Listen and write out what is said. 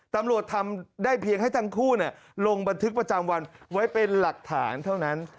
ตำรวจทำได้เพียงให้ทั้งคู่ลงบันทึกประจำวันไว้เป็นหลักฐานเท่านั้น